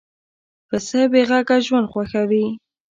پسه بېغږه ژوند خوښوي.